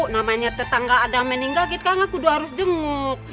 namanya tetangga ada yang meninggal kan nggak kudu harus denguk